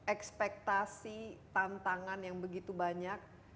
ekspektasi tantangan yang begitu banyak